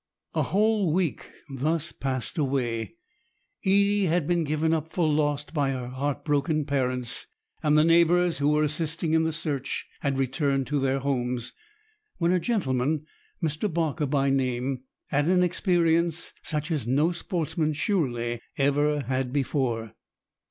A whole week thus passed away. Edie had been given up for lost by her heart broken parents, and the neighbours who were assisting in the search had returned to their homes, when a gentleman—Mr. Barker by name—had an experience such as no sportsman surely ever had before.